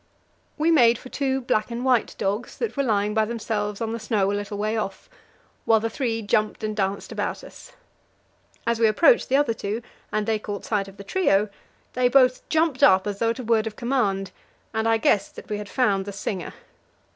We made for two black and white dogs that were lying by themselves on the snow a little way off, while the three jumped and danced about us. As we approached the other two, and they caught sight of the trio, they both jumped up as though at a word of command, and I guessed that we had found the singer.